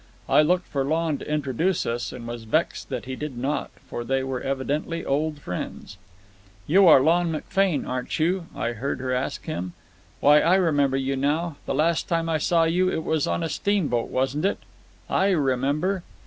I looked for Lon to introduce us, and was vexed that he did not, for they were evidently old friends. "You are Lon McFane, aren't you?" I heard her ask him. "Why, I remember you now. The last time I saw you it was on a steamboat, wasn't it? I remember